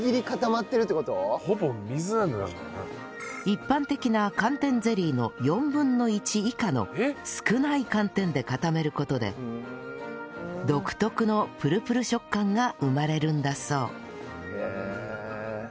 一般的な寒天ゼリーの４分の１以下の少ない寒天で固める事で独特のぷるぷる食感が生まれるんだそう